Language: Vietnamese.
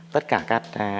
tất cả các